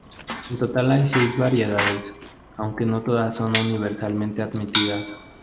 En total hay seis variedades, aunque no todas son universalmente admitidas.